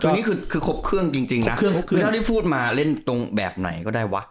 อันนี้คือครบเครื่องจริงคือเท่าที่พูดมาเล่นตรงแบบไหนก็ได้วะ